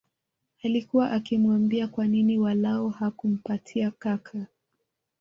Alikua akimwambia kwa nini walau hakumpatia kaka